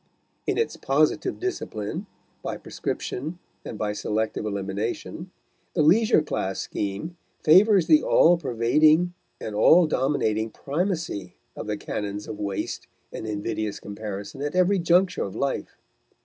In its positive discipline, by prescription and by selective elimination, the leisure class scheme favors the all pervading and all dominating primacy of the canons of waste and invidious comparison at every conjuncture of life.